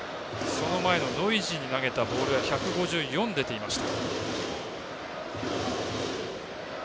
その前のノイジーに投げたボール１５４出ていました。